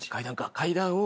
階段を。